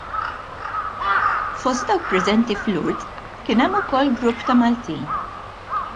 Fost dawk preżenti f'Lourdes kien hemm ukoll grupp ta' Maltin.